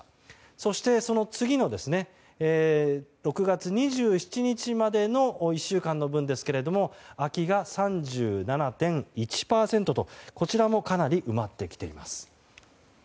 そして、次の６月２７日までの１週間の分は空きが３７．１％とこちらもかなり埋まってきています。